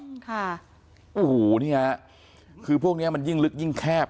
ค่ะโอ้โหนี่ฮะคือพวกเนี้ยมันยิ่งลึกยิ่งแคบ